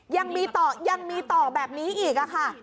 ยังมีต่อยังมีต่อแบบนี้อีกค่ะ